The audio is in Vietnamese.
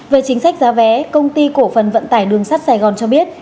về chính sách giá vé công ty cổ phần vận tải đường sắt sài gòn cho biết